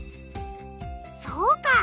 そうか。